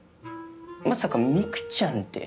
まさかミクちゃんって。